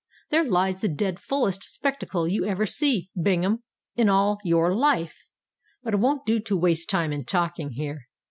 there lies the dread fullest spectacle you ever see, Bingham, in all your life. But it wont do to waste time in talking here.